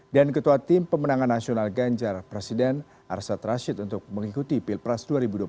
dan ketua tim pemenangan nasional ganjar presiden arsat rashid untuk mengikuti pilpres dua ribu dua puluh empat